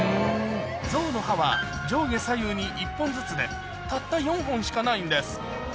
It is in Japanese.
ゾウの歯は、上下左右に１本ずつで、たった４本しかないんです。